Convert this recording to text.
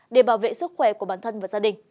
để bảo vệ sức khỏe của bản thân và gia đình